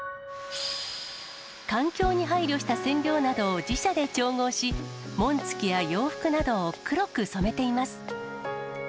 環境に配慮した染料などを自社で調合し、紋付きや洋服などを黒く染めています。